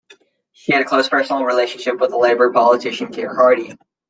She had a close personal relationship with the Labour politician Keir Hardie.